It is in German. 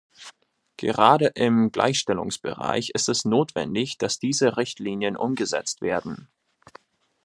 Gerade im Gleichstellungsbereich ist es notwendig, dass diese Richtlinien umgesetzt werden.